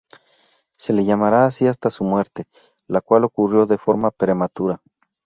Se le llamará así hasta su muerte, la cual ocurrió de forma prematura.